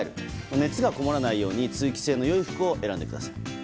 熱がこもらないように通気性の良い服を選んでください。